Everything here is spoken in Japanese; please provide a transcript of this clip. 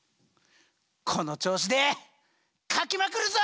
この調子で描きまくるぞ！